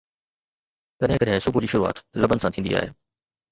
ڪڏهن ڪڏهن صبح جي شروعات لبن سان ٿيندي آهي